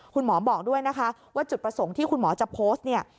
คุณหมอบอกด้วยนะคะว่าจุดประสงค์ที่คุณหมอจะโพสต์เนี่ย